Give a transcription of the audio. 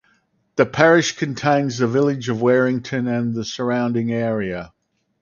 The parish contains the village of Werrington and the surrounding area.